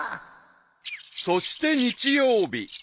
［そして日曜日］